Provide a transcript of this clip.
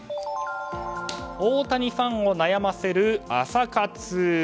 大谷ファンを悩ませる朝活。